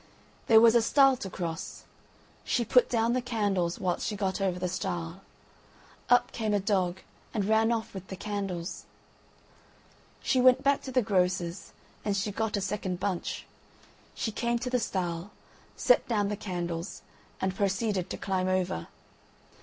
There was a stile to cross. She put down the candles whilst she got over the stile. Up came a dog and ran off with the candles. She went back to the grocer's, and she got a second bunch. She came to the stile, set down the candles, and proceeded to climb over.